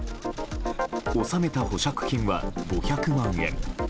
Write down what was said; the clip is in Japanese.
納めた保釈金は５００万円。